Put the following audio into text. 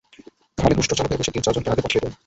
খালিদ উষ্ট্রচালকের বেশে তিন-চারজনকে আগে পাঠিয়ে দেন।